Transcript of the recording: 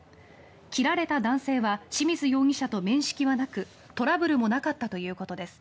切られた男性は清水容疑者と面識はなくトラブルもなかったということです。